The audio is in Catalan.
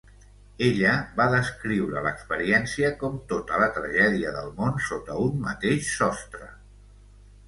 "Ella va descriure l'experiència com tota la tragèdia del món sota un mateix sostre."